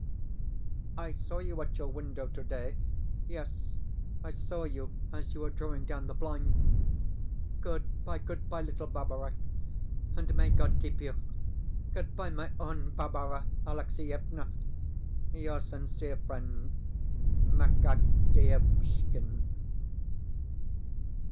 I saw you at your window today yes, I saw you as you were drawing down the blind! Good bye, goodbye, little Barbara, and may God keep you! Good bye, my own Barbara Alexievna! Your sincere friend, MAKAR DIEVUSHKIN.